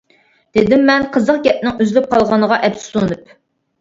دېدىممەن قىزىق گەپنىڭ ئۈزۈلۈپ قالغىنىغا ئەپسۇسلىنىپ.